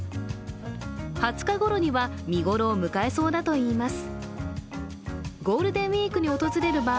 ２０日ごろには見頃を迎えそうだといいます。